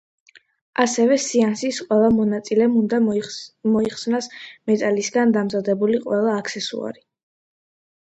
ასევე სეანსის ყველა მონაწილემ უნდა მოიხსნას მეტალისგან დამზადებული ყველა აქსესუარი.